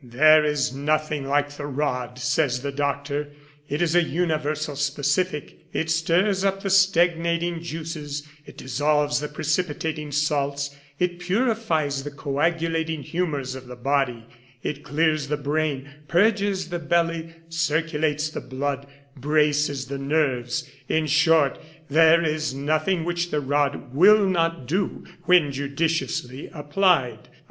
There is nothing like the rod, says the doctor ; it is a universal specific, it stirs up the stagnating juices, it dissolves the precipitating salts, it purifies the coagulating humours of the body, it clears the brain, purges the belly, circulates the blood, braces the nerves ; in short, there is nothing which the rod will not do, when judiciously applied.